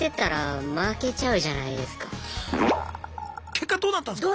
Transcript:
結果どうなったんすか？